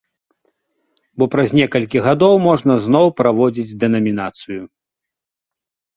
Бо праз некалькі гадоў можна зноў праводзіць дэнамінацыю.